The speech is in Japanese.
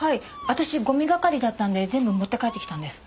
私ゴミ係だったんで全部持って帰ってきたんです。